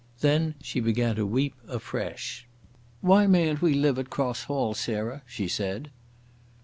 Then she began to weep afresh. "Why mayn't we live at Cross Hall, Sarah?" she said.